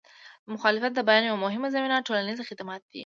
د مخالفت د بیان یوه مهمه زمینه ټولنیز خدمات دي.